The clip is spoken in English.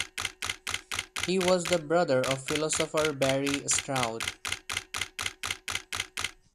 He was the brother of philosopher Barry Stroud.